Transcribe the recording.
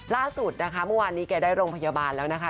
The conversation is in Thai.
ล่าสุดนะคะเมื่อวานนี้แกได้โรงพยาบาลแล้วนะคะ